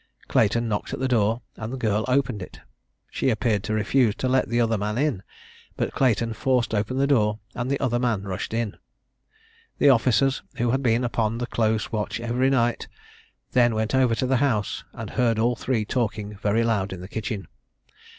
Clayton knocked at the door, and the girl opened it. She appeared to refuse to let the other man in; but Clayton forced open the door, and the other man rushed in. The officers, who had been upon the close watch every night, then went over to the house, and heard all three talking very loud in the kitchen.